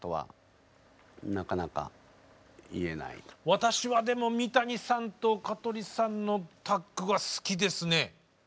私はでも三谷さんと香取さんのタッグが好きですね。